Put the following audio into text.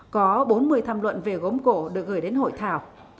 có bốn mươi tham luận về gốm cổ được gửi đến hội thảo